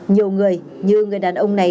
nhiều người như người đàn ông này